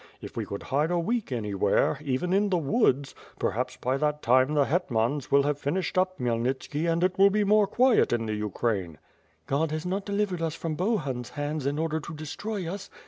If we could hide a week anywhere, even in the woods, perhaps by that time the het mans will have finished up Khmyelnitski, and it will be more quiet in the Ukraine." "God has not delivered us from Bohun's hands, in order to destroy us.